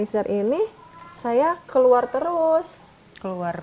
iya dan proses kandidatnya agak mengangkat tolong punya eksempel semua orang